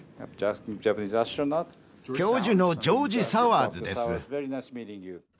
教授のジョージ・サワーズです。